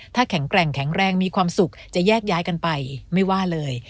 ถ้าแข็งแกร่งแข็งแรงมีความสุขจะแยกย้ายกันไปไม่ว่าเลย